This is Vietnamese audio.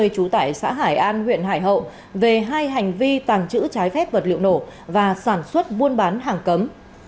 trú tại xã hải an huyện hải hậu về hai hành vi tàng trữ trái phép vật liệu nổ và sản xuất buôn bán hàng cấm